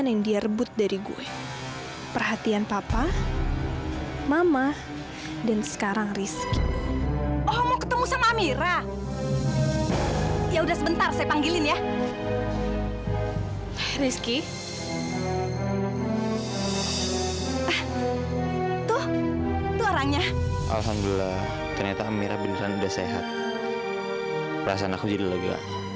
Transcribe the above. nanti kalau ada apa apa